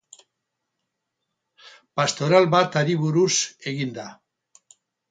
Pastoral bat hari buruz egin da.